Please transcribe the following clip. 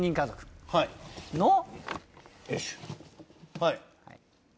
はい。